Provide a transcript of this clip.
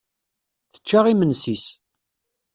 Tečča imensi-s.